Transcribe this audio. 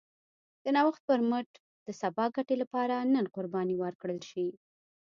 د نوښت پر مټ د سبا ګټې لپاره نن قرباني ورکړل شي.